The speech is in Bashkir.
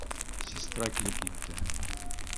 Сестра килеп етте